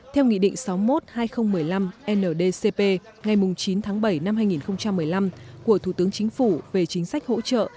theo nghị định sáu mươi một hai nghìn một mươi năm ndcp ngày chín tháng bảy năm hai nghìn một mươi năm của thủ tướng chính phủ về chính sách hỗ trợ